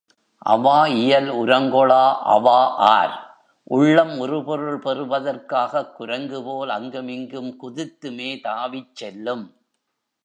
அவா இயல் உரங்கொளா அவாஆர் உள்ளம் உறுபொருள் பெறுதற் காகக் குரங்குபோல் அங்கும் இங்கும் குதித்துமே தாவிச் செல்லும்.